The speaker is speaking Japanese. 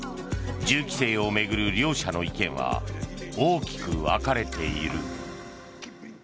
銃規制を巡る両者の意見は大きく分かれている。